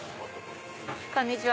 こんにちは。